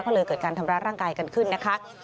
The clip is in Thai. ก็เลยเกิดการทำร้ายร่างกายกันขึ้นนะคะ